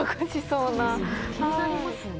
気になりますよね。